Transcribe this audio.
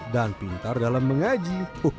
dan pintar dalam mengaji